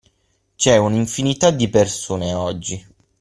C'è un'infinità di persone oggi!